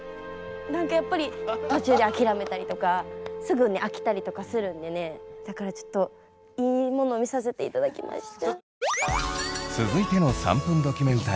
何かやっぱり途中で諦めたりとかすぐ飽きたりとかするんでねだからちょっといいもの見させて頂きました。